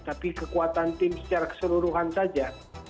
tapi kekuatan tim secara keseluruhan saja